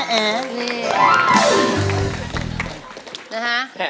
นร้าฮะ